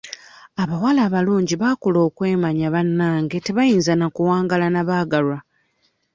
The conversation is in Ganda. Abawala abalungi baakula okwemanya bannange tebayinza na kuwangaala na baagalwa.